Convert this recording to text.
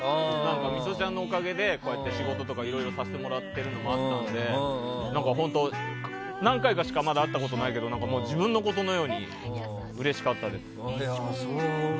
ミトちゃんのおかげで仕事とかいろいろさせてもらっているのもあったので本当、何回かしかまだ会ったことがないけど自分のことのようにうれしかったです。